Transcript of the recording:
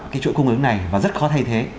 cái chuỗi cung ứng này và rất khó thay thế